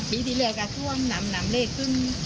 ปีที่แล้วก็ท่วมนำเลขขึ้น